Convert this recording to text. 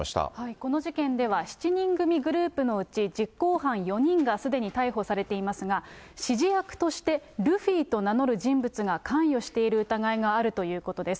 この事件では、７人組グループのうち、実行犯４人がすでに逮捕されていますが、指示役として、ルフィと名乗る人物が関与している疑いがあるということです。